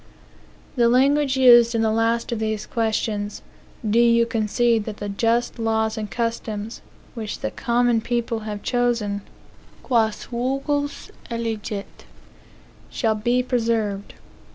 The language used in the last of these questions, "Do you concede that the just laws and customs, which the common people have chosen, (quas vulgus elegit,) shall be preserved?"